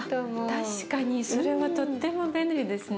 確かにそれはとっても便利ですね。